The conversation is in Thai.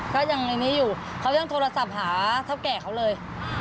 ก็ยังในนี้อยู่เขายังโทรศัพท์หาเท่าแก่เขาเลย